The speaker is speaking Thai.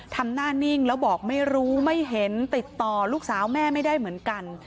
ทำหน้านิ่งแล้วบอกไม่รู้ไม่เห็นติดต่อลูกสาวแม่ไม่ได้เหมือนกัน